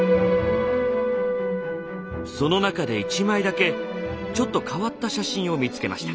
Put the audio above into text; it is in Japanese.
その中で一枚だけちょっと変わった写真を見つけました。